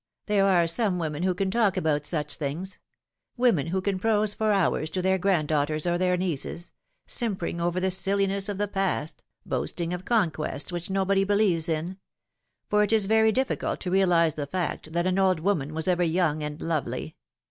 There are some women who can talk about such things women who can prose for hours to their grand daughters or their nieces simpering over the silliness of the past boasting of conquests which nobody believes in ; for it is very difficult to realise the fact that an old woman was ever young and lovely.